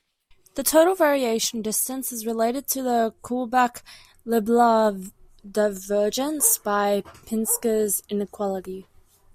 The total variation distance is related to the Kullback-Leibler divergence by Pinsker's inequality.